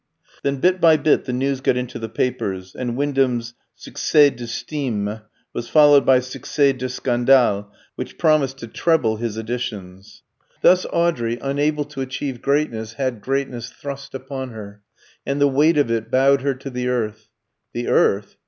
Then bit by bit the news got into the papers, and Wyndham's succès d'estime was followed by succès de scandale which promised to treble his editions. Thus Audrey, unable to achieve greatness, had greatness thrust upon her; and the weight of it bowed her to the earth. The earth?